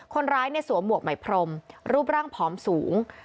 คนร้ายสวมหมวกใหม่พรมรูปร่างผอมสูง